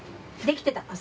できてた朝。